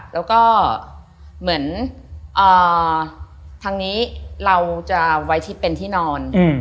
แล้วก็เหมือนทางนี้เราจะไว้ที่เป็นที่นอน